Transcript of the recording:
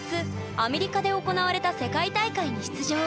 アメリカで行われた世界大会に出場！